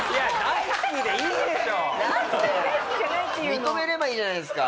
認めればいいじゃないですか。